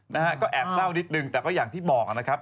นะฮะก็แอบเศร้านิดนึงแต่ก็อย่างที่บอกนะครับ